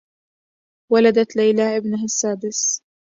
ولدت ليلى إبنها السّادس.